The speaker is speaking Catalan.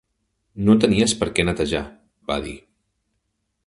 "No tenies per què netejar", va dir.